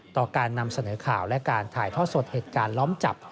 ต่อการนำเสนอข่าวและการถ่ายทอดสดเหตุการณ์ล้อมจับ